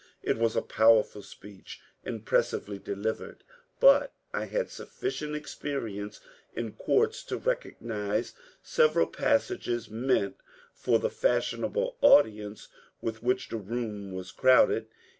It was a powerful speech, impressively delivered, but I had sufficient experience in courts to recognize several passages meant for the fashionable audience with which the room was crowded.